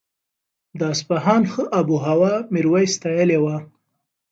د اصفهان ښه آب و هوا میرویس ستایلې وه.